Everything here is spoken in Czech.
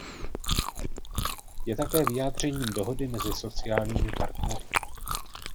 Je také vyjádřením dohody mezi sociálními partnery.